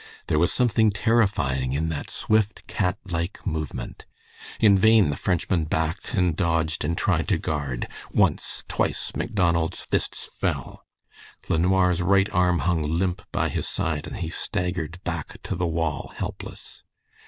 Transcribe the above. There was something terrifying in that swift, cat like movement. In vain the Frenchman backed and dodged and tried to guard. Once, twice, Macdonald's fists fell. LeNoir's right arm hung limp by his side and he staggered back to the wall helpless.